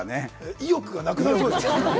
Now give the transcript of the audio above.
意欲がなくなるそうです。